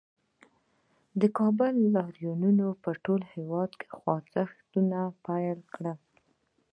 د کابل لاریون په ټول هېواد کې خوځښتونه پیل کړل